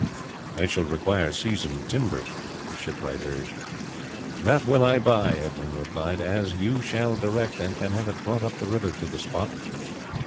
"I shall require seasoned timber," the shipwright urged. "That will I buy," Edmund replied, "as you shall direct, and can have it brought up the river to the spot."